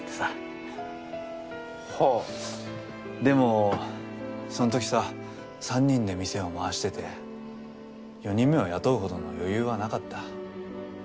でもその時さ３人で店を回してて４人目を雇うほどの余裕はなかった。